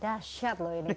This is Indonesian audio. dasyat loh ini quote nya